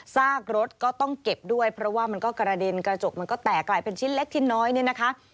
ซากรถก็ต้องเก็บด้วยเพราะว่ามันก็กระเด็นกระจกมันก็แตกกลายเป็นชิ้นเล็กชิ้นน้อยเนี่ยนะคะ